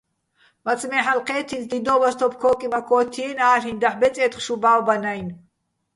მაცმე ჰ̦ალო̆ ჴე́თთი́ნც, დიდო́ვას თოფ ქო́კიმაქ ო́თთჲიენი̆, ა́ლ'იჼ: დაჰ̦ ბეწე́თხ შუ ბა́ვბანაჲნო̆.